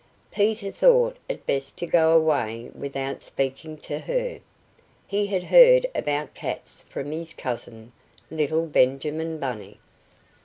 Peter thought it best to go away without speaking to her; he had heard about cats from his cousin, little Benjamin Bunny.